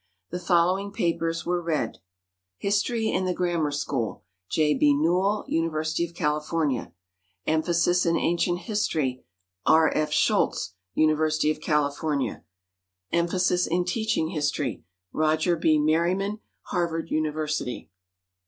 The following papers were read: "History in the Grammar School" J. B. Newell, University of California. "Emphasis in Ancient History" R. F. Scholz, University of California. "Emphasis in Teaching of History" Roger B. Merriman, Harvard University.